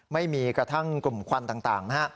ไม่มีกระทั่งกลุ่มควันต่างนะฮะ